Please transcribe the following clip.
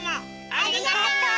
ありがとう！